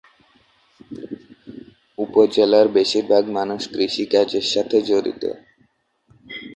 উপজেলার বেশির ভাগ মানুষ কৃষি কাজের সাথে জড়িত।